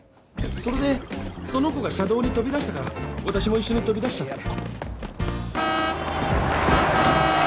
それでその子が車道に飛び出したから私も一緒に飛び出しちゃって。